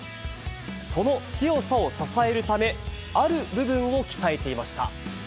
その強さを支えるため、ある部分を鍛えていました。